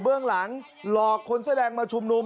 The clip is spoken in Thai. เบื้องหลังรอกคนเสื้อแดงมาชุมนุ่ม